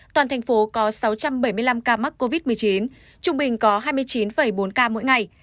toàn thành phố có sáu trăm bảy mươi năm ca mắc covid một mươi chín trung bình có hai mươi chín bốn ca mỗi ngày